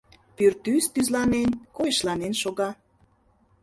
Пӱртӱс тӱзланен-койышланен шога.